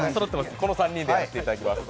この３人でやらせていただきます。